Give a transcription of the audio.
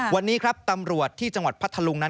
วันนี้ครับตำรวจที่จังหวัดพัทธลุงนั้น